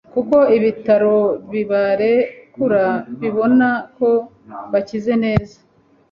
kuko ibitaro bibarekura bibona ko bakize neza